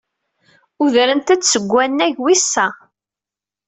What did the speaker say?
Udrent-d seg wannag wis sa.